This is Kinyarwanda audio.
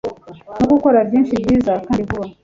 no gukora byinshi byiza kandi vuba